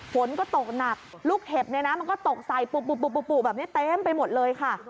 ฝนก็ตกหนักลูกเห็บเนี่ยนะมันก็ตกใส่ปุ๊บแบบนี้เต็มไปหมดเลยค่ะ